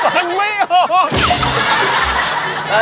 ใช่นี่ไง